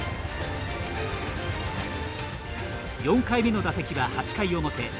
４回目の打席は、８回表。